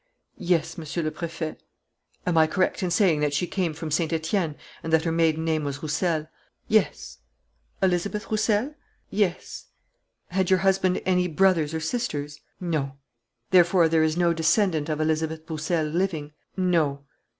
"Yes, Monsieur le Préfet." "Am I correct in saying that she came from Saint Etienne and that her maiden name was Roussel?" "Yes." "Elizabeth Roussel?" "Yes." "Had your husband any brothers or sisters?" "No." "Therefore there is no descendant of Elizabeth Roussel living?" "No."